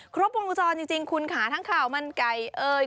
ครบวงจรจริงคุณขาทางขาวมันไก่เอ้ย